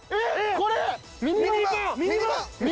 これ。